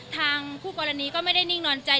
ทางคู่กรณีก็ไม่ได้นิ่งนอนใจ